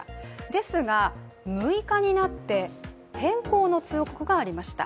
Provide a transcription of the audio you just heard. ですが、６日になって変更の通告がありました。